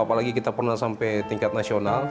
apalagi kita pernah sampai tingkat nasional